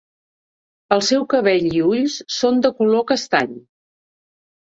El seu cabell i ulls són de color castany.